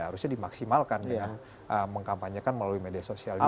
harusnya dimaksimalkan dengan mengkampanyekan melalui media sosial juga